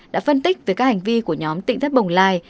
đã phân tích về các hành vi của nhóm tỉnh thất bồng lai